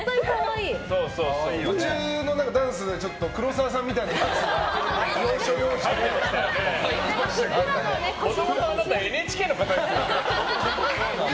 途中のダンスで黒沢さんみたいなダンスがあなた、ＮＨＫの方ですよね。